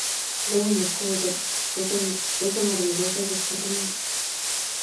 どうもこうどこまでも廊下じゃ仕方ないね